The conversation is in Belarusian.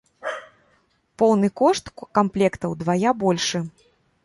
Поўны кошт камплекта ўдвая большы.